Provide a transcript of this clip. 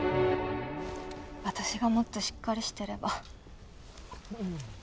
私がもっとしっかりしてれば。